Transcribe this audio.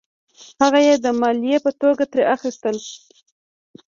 هغه یې د مالیې په توګه ترې اخیستل.